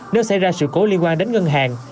nếu xảy ra sự cố liên quan đến ngân hàng